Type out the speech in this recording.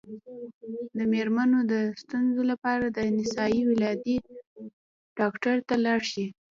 د میرمنو د ستونزو لپاره د نسایي ولادي ډاکټر ته لاړ شئ